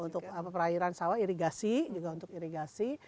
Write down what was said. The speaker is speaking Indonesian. untuk perairan sawah irigasi juga untuk irigasi